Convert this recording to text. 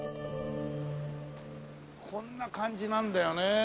こんな感じなんだよね。